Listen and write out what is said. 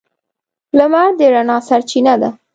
• لمر د رڼا سرچینه ده.